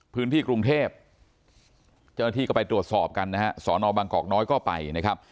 พื้นที่กรุงเทพเจ้าหน้าที่ก็ไปตรวจสอบกันนะฮะสอนอบางกอกน้อยก็ไปนะครับ